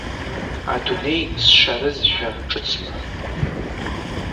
Адунеи сшарызшәа ҿыцны.